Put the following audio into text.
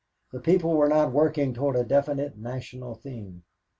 The people were not working toward a definite national thing.